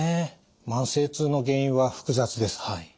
慢性痛の原因は複雑です。